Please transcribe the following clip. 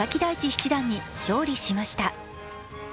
七段に勝利しました。